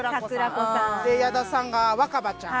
で矢田さんが若葉ちゃん。